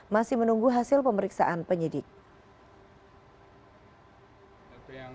masih menunggu hasil pemeriksaan penyidik